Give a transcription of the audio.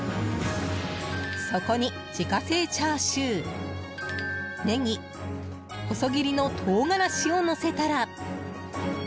そこに自家製チャーシューネギ細切りのトウガラシをのせたら。